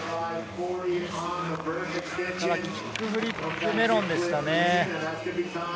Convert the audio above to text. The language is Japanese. キックフリップメロンでしたね。